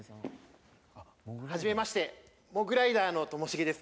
はじめましてモグライダーのともしげです。